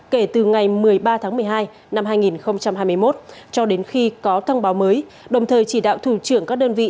kể từ ngày một mươi ba tháng một mươi hai năm hai nghìn hai mươi một cho đến khi có thông báo mới đồng thời chỉ đạo thủ trưởng các đơn vị